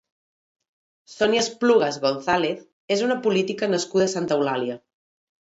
Sonia Esplugas González és una política nascuda a Santa Eulàlia.